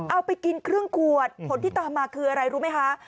เอาไปกินครึ่งขวดผลที่ตามมาคืออะไรรู้ไหมคะ